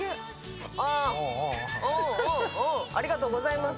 ありがとうございます。